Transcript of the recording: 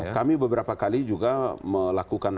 kami beberapa kali juga melakukan